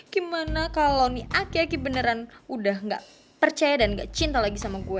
gimana kalo nih akyaki beneran udah gak percaya dan gak cinta lagi sama gue